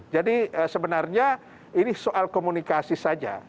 jadi sebenarnya ini soal komunikasi saja